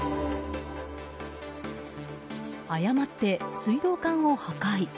誤って水道管を破壊。